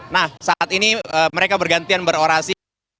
nah saat ini mereka bergantian berorasi